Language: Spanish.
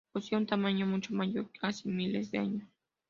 Poseía una tamaño mucho mayor hace miles de años.